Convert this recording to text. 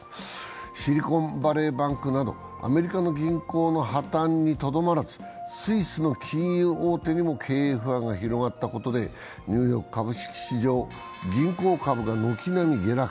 シリコンバレーバンクなどアメリカの銀行の破綻にとどまらずスイスの金融大手にも経営不安が広がったことで、ニューヨーク株式市場銀行株が軒並み下落。